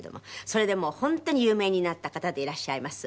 それでもう本当に有名になった方でいらっしゃいます。